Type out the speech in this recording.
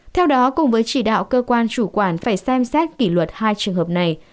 theo đó cùng với chỉ đạo cơ quan chủ quản phải xem xét kỷ luật hai trường hợp này